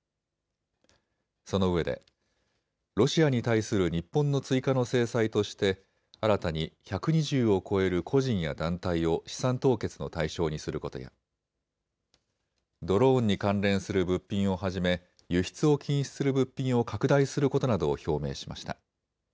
そのうえでロシアに対する日本の追加の制裁として新たに１２０を超える個人や団体を資産凍結の対象にすることやドローンに関連する物品をはじめ輸出を禁止する物品を拡大することなどを表明しました。